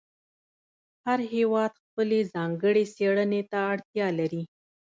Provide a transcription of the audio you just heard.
هر هېواد خپلې ځانګړې څېړنې ته اړتیا لري.